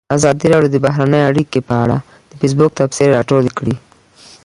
ازادي راډیو د بهرنۍ اړیکې په اړه د فیسبوک تبصرې راټولې کړي.